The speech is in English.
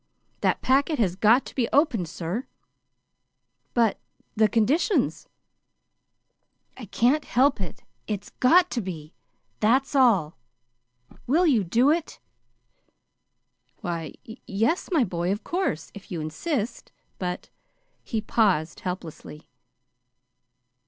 "That packet has got to be opened, sir." "But the conditions!" "I can't help it. It's got to be. That's all. Will you do it?" "Why, y yes, my boy, of course, if you insist; but " he paused helplessly.